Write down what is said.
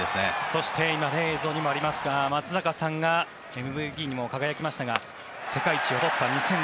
そして、今映像にもありますが松坂さんがＭＶＰにも輝きましたが世界一を取った２００６、２００９